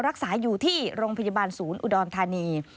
รักษาอยู่ที่โรงพยาบาลศูนย์อุดรธานี